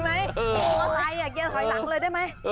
โมไครสัยอยากเยี้ยวถอยหลังเลยได้มั้ย